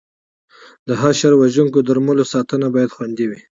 د حشره وژونکو درملو ساتنه باید خوندي وي.